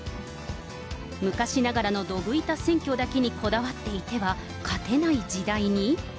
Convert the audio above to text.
昔ながらのどぶ板選挙だけにこだわっていては、勝てない時代に？